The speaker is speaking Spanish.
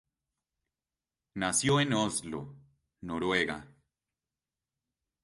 Nació en Oslo, Noruega.